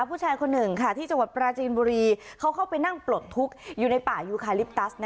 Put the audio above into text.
ผู้ชายคนหนึ่งค่ะที่จังหวัดปราจีนบุรีเขาเข้าไปนั่งปลดทุกข์อยู่ในป่ายูคาลิปตัส